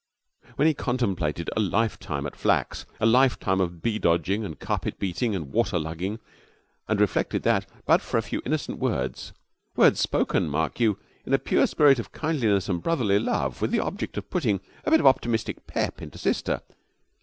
When he contemplated a lifetime at Flack's, a lifetime of bee dodging and carpet beating and water lugging, and reflected that, but for a few innocent words words spoken, mark you, in a pure spirit of kindliness and brotherly love with the object of putting a bit of optimistic pep into sister!